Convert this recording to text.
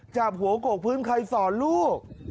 จับหัวกกพื้นใครสอนลูก